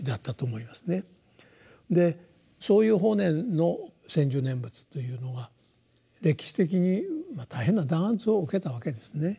でそういう法然の専修念仏というのは歴史的に大変な弾圧を受けたわけですね。